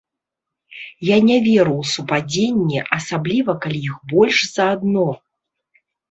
Я не веру ў супадзенні, асабліва калі іх больш за адно.